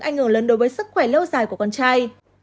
ảnh hưởng lớn đối với sức khỏe lâu dài của con trai